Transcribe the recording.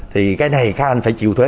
thì cái này các anh phải chịu thuế